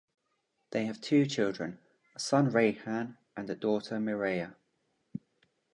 They have two children; a son Raihan and a daughter Miraya.